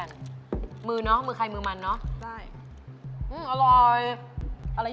ยืนใจมึงก่อน